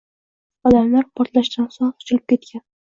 Odamlar portlashdan so’ng sochilib ketgan